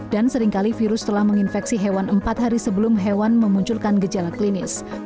dan seringkali virus telah menginfeksi hewan empat hari sebelum hewan memunculkan gejala klinis